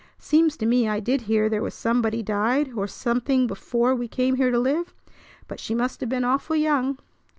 Seems to me I did hear there was somebody died or something before we came here to live, but she must have been awful young."